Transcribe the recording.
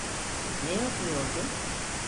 Ne yapıyordu?